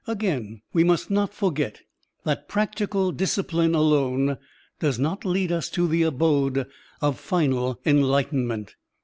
Again, we must not forget that practical disci pline alone does not lead us to the abode of final enlightenment.